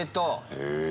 へえ。